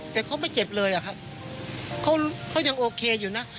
แต่เขาไม่เจ็บเลยอะครับเขายังโอเคอยู่นะ